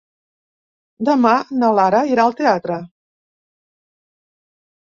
Demà na Lara irà al teatre.